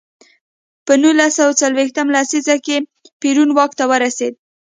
په نولس سوه څلویښت لسیزه کې پېرون واک ته ورسېد.